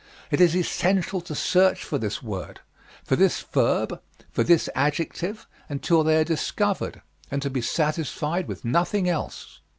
It is essential to search for this word, for this verb, for this adjective, until they are discovered, and to be satisfied with nothing else."